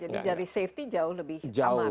jadi dari safety jauh lebih aman